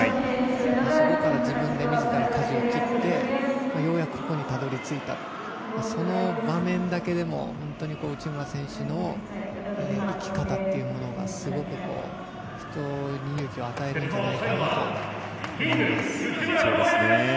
そこから、自分でみずからかじを切ってようやくここにたどりついたその場面だけでも本当に内村選手の生き方というものがすごく人に勇気を与えるんじゃないかなと思います。